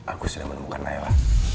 aku sudah menemukan naila